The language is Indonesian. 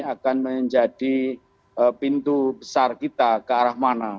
akan menjadi pintu besar kita ke arah mana